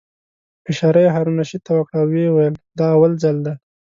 اشاره یې هارون الرشید ته وکړه او ویې ویل: دا اول ځل دی.